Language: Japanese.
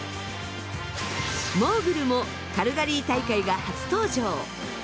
モーグルもカルガリー大会が初登場。